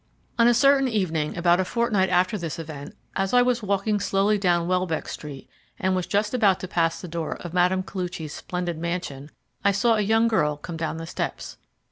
On a certain evening, about a fortnight after this event, as I was walking slowly down Welbeck Street, and was just about to pass the door of Mme. Koluchy's splendid mansion, I saw a young girl come down the steps.